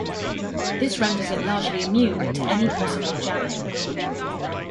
This renders it largely immune to any possible jamming.